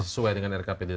sesuai dengan rkpd tadi